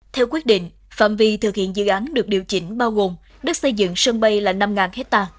theo quyết định phạm vi thực hiện dự án được điều chỉnh bao gồm đất xây dựng sân bay là năm ha